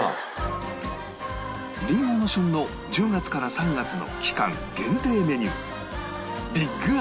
りんごの旬の１０月から３月の期間限定メニュー